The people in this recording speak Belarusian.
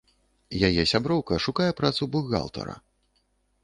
Яе сяброўка шукае працу бухгалтара.